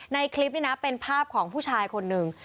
ในคลิปนี้นะเป็นภาพของผู้ชายคนหนึ่ง